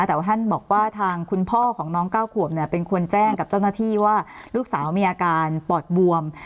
แต่ว่าท่านบอกว่าทางคุณพ่อของน้อง๙ขวบเนี่ยเป็นคนแจ้งกับเจ้าหน้าที่ว่าลูกสาวมีอาการปอดบวม